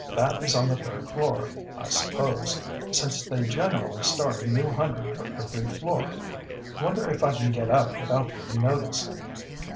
"That is on the third floor, I suppose, since they generally start a new hundred for every floor. Wonder if I can get up without being noticed?"